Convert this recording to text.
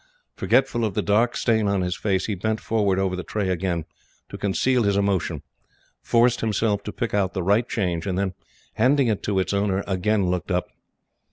Forgetful of the dark stain on his face, he bent forward over the tray again to conceal his emotion, forced himself to pick out the right change, and then, handing it to its owner, again looked up.